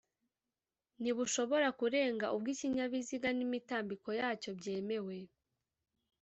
ntibushobora kurenga ubw’ikinyabiziga n’imitambiko yacyo byemewe